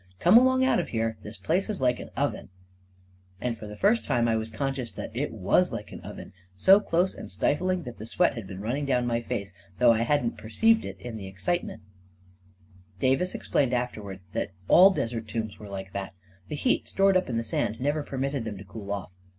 Come along out of here — this place is like an oven 1 " And for the first time I was conscious that it was like an oven — so close and stifling that the sweat had been running down my face, though I hadn't aio A KING IN BABYLON perceived it, in the excitement Davis explained afterwards that all desert tombs were like that — the heat stored up in the sand never permitted them to cool off.